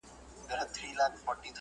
ننګرهارۍ مېرمني